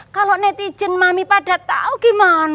kalo netizen mami pada tau gimana